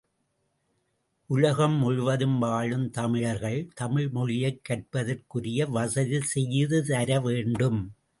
உலகம் முழுதும் வாழும் தமிழர்கள், தமிழ் மொழியைக் கற்பதற்குரிய வசதி செய்து தரவேண்டும்.